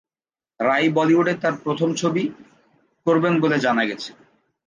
রাই বলিউডে তার প্রথম ছবি করবেন বলে জানা গেছে।